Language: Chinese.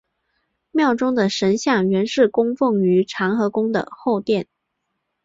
庙中的神像原是供奉于长和宫的后殿。